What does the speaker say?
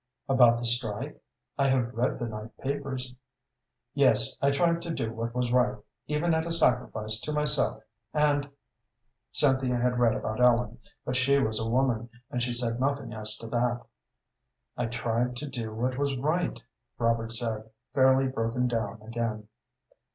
"About the strike? I have read the night papers." "Yes; I tried to do what was right, even at a sacrifice to myself, and " Cynthia had read about Ellen, but she was a woman, and she said nothing as to that. "I tried to do what was right," Robert said, fairly broken down again.